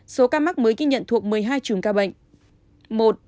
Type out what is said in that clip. số ca mắc mới ghi nhận thuộc một mươi hai chùm ca bệnh